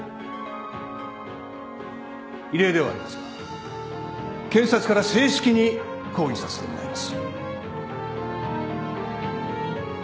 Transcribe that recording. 異例ではありますが検察から正式に抗議させてもらいます。